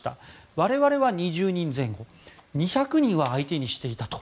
我々は２０人前後２００人は相手にしていたと。